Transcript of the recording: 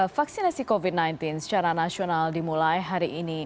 vaksinasi covid sembilan belas secara nasional dimulai hari ini